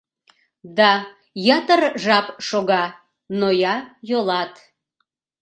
Да ятыр жап шога, ноя йолат.